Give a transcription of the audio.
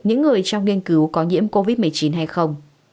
những người trong nghiên cứu có nhiễm covid một mươi chín hay không